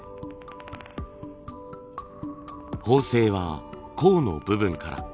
縫製は甲の部分から。